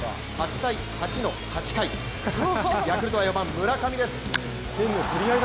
８−８の８回ヤクルトは４番・村上です。